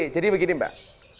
jadi begini mbak